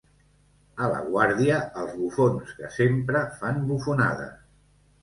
A la Guàrdia, els bufons, que sempre fan bufonades.